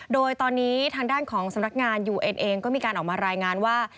โดยตอนนี้ทางด้านของสำนักงานยูเอ็นเองก็มีการออกมารายงานว่า